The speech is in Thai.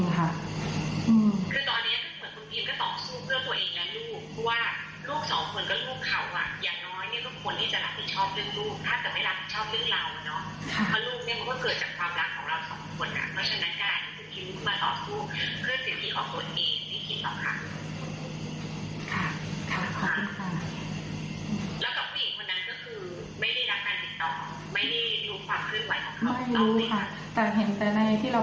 คือตอนนี้คือเหมือนคุณพิมก็ต่อสู้เพื่อตัวเองและลูก